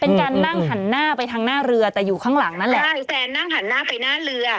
เป็นการนั่งหันหน้าไปทางหน้าเรือแต่อยู่ข้างหลังนั่นแหละใช่แฟนนั่งหันหน้าไปหน้าเรือ